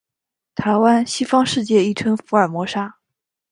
台湾，西方世界亦称福尔摩沙。